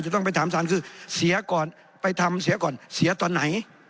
ต้องไปถามสารคือเสียก่อนไปทำเสียก่อนเสียตอนไหน